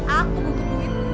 aku butuh duit